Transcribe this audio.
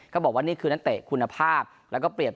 ก็บอกว่านี่คือน้ำเตะคุณภาพ